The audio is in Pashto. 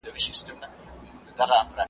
ستا پر ځای به بله مینه بل به ژوند وي .